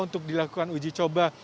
untuk dilakukan uji coba